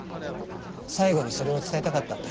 最後にそれを伝えたかったんだ。